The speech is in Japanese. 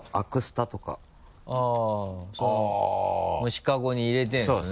虫かごに入れてるんですね。